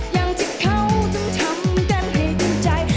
อย่างที่เขาจำทำกันให้จนใจ